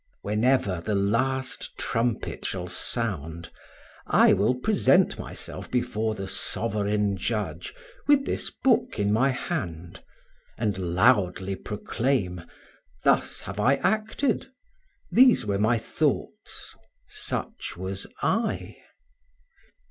Whenever the last trumpet shall sound, I will present myself before the sovereign judge with this book in my hand, and loudly proclaim, thus have I acted; these were my thoughts; such was I.